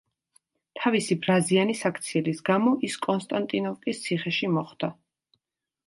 თავისი ბრაზიანი საქციელის გამო ის კონსტანტინოვკის ციხეში მოხვდა.